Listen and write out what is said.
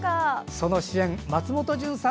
その主演が松本潤さん。